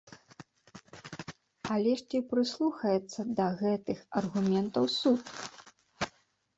Але ж ці прыслухаецца да гэтых аргументаў суд?